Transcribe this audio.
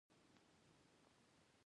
کار وکړو نو غريبان به شو، مال به مو کم شي